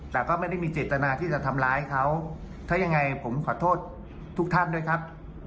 แต่ก็ไม่ได้มีเจตนาที่จะทำร้ายเขาถ้ายังไงผมขอโทษทุกท่านด้วยครับ